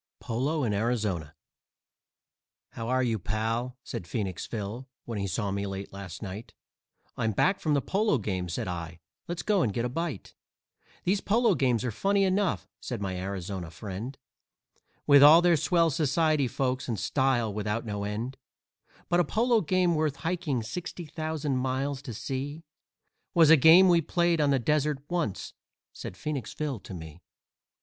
POLO IN ARIZONA "How are you, pal?" said Phoenix Phil, when he saw me late last night; "I'm back from the polo game," said I, "let's go and get a bite." "These polo games are funny enough," said my Arizona friend, "With all their swell society folks and style without no end; But a polo game worth hiking sixty thousand miles to see Was a game we played on the desert once," said Phoenix Phil to me.